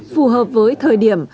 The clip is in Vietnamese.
phù hợp với thời điểm